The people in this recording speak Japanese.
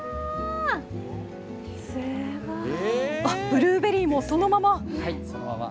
ブルーベリーもそのまま。